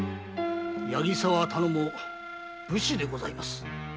この八木沢頼母武士でございます。